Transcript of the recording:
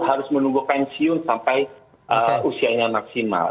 harus menunggu pensiun sampai usianya maksimal